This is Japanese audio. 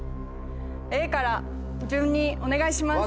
Ａから順にお願いします。